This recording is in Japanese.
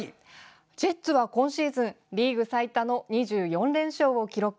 ジェッツは今シーズンリーグ最多の２４連勝を記録。